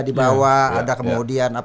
di bawah ada kemudian